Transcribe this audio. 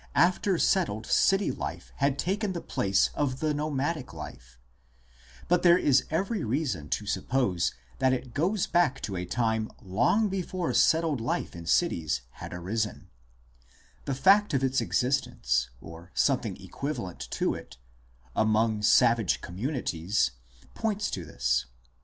after settled city life had taken the place of the nomadic life ; but there is every reason to suppose that it goes back to a time long before settled life in cities had arisen ; the fact of its existence, or something equivalent to it, among savage communities (see the refer ences given above) points to this.